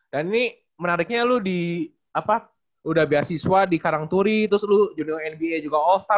dan ini menariknya lu di apa udah beasiswa di karangturi terus lu junior nba juga all star dua ribu empat belas